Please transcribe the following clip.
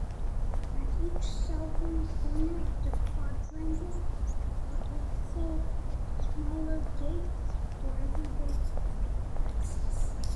At each southern corner of the quadrangle are also smaller gates for every-day access.